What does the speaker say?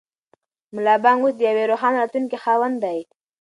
ملا بانګ اوس د یوې روښانه راتلونکې خاوند دی.